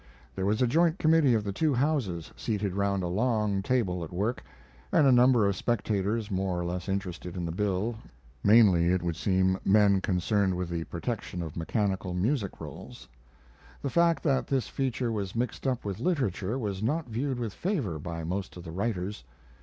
There was a joint committee of the two Houses seated round a long table at work, and a number of spectators more or less interested in the bill, mainly, it would seem, men concerned with the protection of mechanical music rolls. The fact that this feature was mixed up with literature was not viewed with favor by most of the writers.